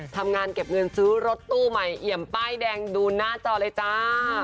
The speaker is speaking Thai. ทำงานเก็บเงินซื้อรถตู้ใหม่เอี่ยมป้ายแดงดูหน้าจอเลยจ้า